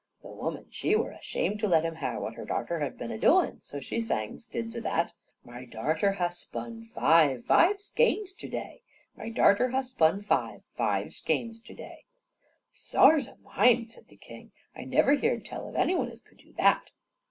The woman, she were ashamed to let him hare what her darter had been a doin', so she sang, 'stids o' that: "My darter ha' spun five, five skeins to day My darter ha' spun five, five skeins to day." "S'ars o' mine!" said the king, "I never heerd tell of any one as could do that."